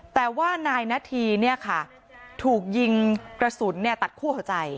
แต่ว่านายนาธีถูกยิงกระสุนตัดคู่หัวใจ